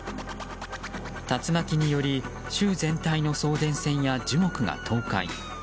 竜巻により州全体の送電線や樹木が倒壊。